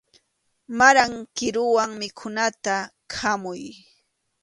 Maran kiruwan mikhuyta khamuy.